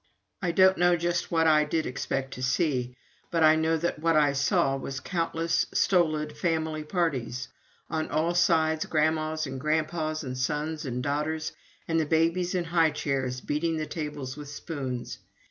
I do not know just what I did expect to see, but I know that what I saw was countless stolid family parties on all sides grandmas and grandpas and sons and daughters, and the babies in high chairs beating the tables with spoons.